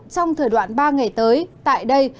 trong thời đoạn ba ngày tới tại đây